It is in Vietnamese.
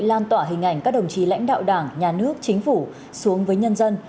lan tỏa hình ảnh các đồng chí lãnh đạo đảng nhà nước chính phủ xuống với nhân dân